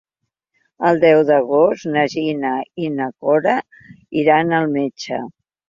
El deu d'agost na Gina i na Cora iran al metge.